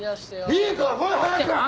「いいから来い早く！」